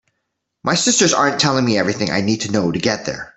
My sisters aren’t telling me everything I need to know to get there.